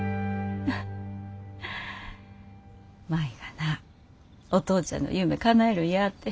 「お父ちゃんの夢かなえるんや」て。